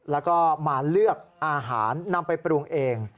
แล้วก็มาเลือกอาหารนำไปปรุงเอง